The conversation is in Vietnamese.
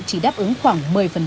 chỉ đáp ứng khoảng một mươi